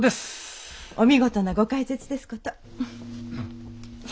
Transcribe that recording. お見事なご解説ですこと。